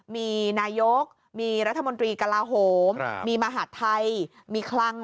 มีนายกมีรัฐมนตรีกลาโหมมีมหาดไทยมีคลัง